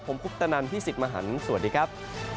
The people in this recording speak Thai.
ผมคุกตะนันที่สิกมหันฯสวัสดีครับ